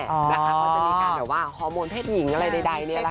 ควรสนีกันจะเป็นฮอร์โมนเพศหญิงอะไรใดนี่แหละค่ะ